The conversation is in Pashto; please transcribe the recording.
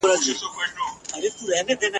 دولتمند که ډېر لیري وي خلک یې خپل ګڼي !.